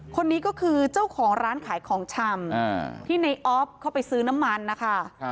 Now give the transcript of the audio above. คนนี้ก็คือเจ้าของร้านขายของชำที่ในออฟเข้าไปซื้อน้ำมันนะคะ